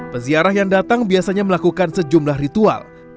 peziarah yang datang biasanya melakukan sejumlah ritual